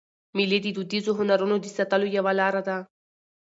مېلې د دودیزو هنرونو د ساتلو یوه لاره ده.